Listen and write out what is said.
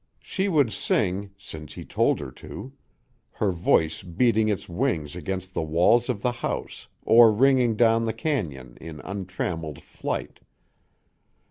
She would sing, since he told her to, her voice beating its wings against the walls of the house or ringing down the cañon in untrammeled flight.